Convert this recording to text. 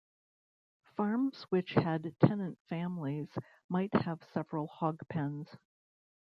Farms which had tenant families might have several hog pens.